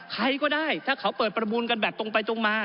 ใครก็ได้ถ้าเขาเปิดประมูลกันแบบตรงไปตรงมา